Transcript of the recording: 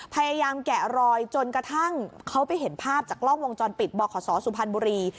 แกะรอยจนกระทั่งเขาไปเห็นภาพจากกล้องวงจรปิดบขสุพรรณบุรี